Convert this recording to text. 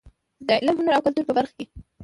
د علم، هنر او کلتور په برخه کې.